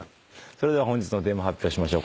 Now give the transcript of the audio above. それでは本日のテーマ発表しましょう。